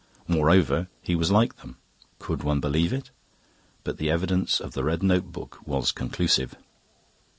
Moreover, he was like them. Could one believe it? But the evidence of the red notebook was conclusive.